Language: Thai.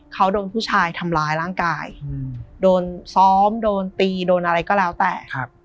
เขาโดนผู้ชายทำร้ายร่างกายโดนซ้อมโดนตีโดนอะไรก็แล้วแต่